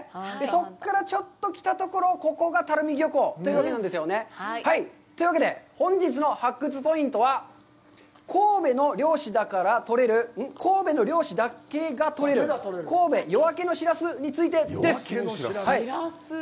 そこからちょっと来たところ、ここが垂水漁港というわけなんですよね。というわけで、本日の発掘ポイントは、神戸の漁師だから取れる、神戸の漁師だけが取れる、神戸夜明けのしらすです。